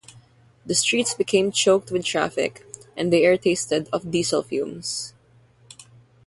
The streets became choked with traffic, and the air tasted of diesel fumes.